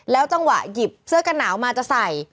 จังหวะหยิบเสื้อกันหนาวมาจะใส่